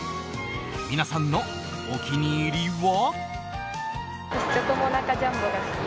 皆さんのお気に入りは？